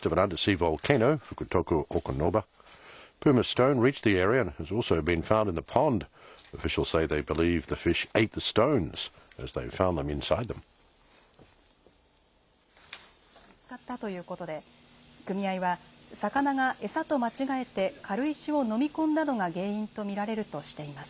魚の体の中から、細かい軽石が見つかったということで、組合は、魚が餌と間違えて軽石を飲み込んだのが原因と見られるとしています。